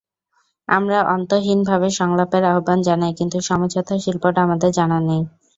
আমরা অন্তহীনভাবে সংলাপের আহ্বান জানাই কিন্তু সমঝোতার শিল্পটা আমাদের জানা নেই।